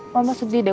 mama sedih deh